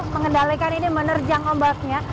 mengendalikan ini menerjang ombaknya